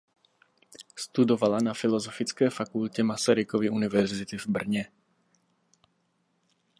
Studovala na Filosofické fakultě Masarykovy univerzity v Brně.